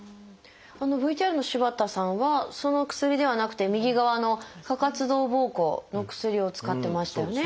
ＶＴＲの柴田さんはその薬ではなくて右側の過活動ぼうこうの薬を使ってましたよね。